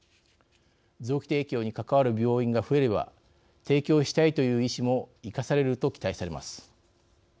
臓器提供に関わる病院が増えれば提供したいという意思も生かされると期待されます。